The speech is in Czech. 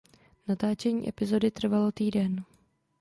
Natáčení epizody trvalo týden.